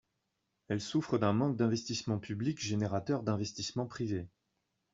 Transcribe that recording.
Elle souffre d’un manque d’investissements publics générateurs d’investissements privés.